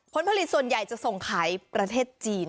ผลผลิตส่วนใหญ่จะส่งขายประเทศจีน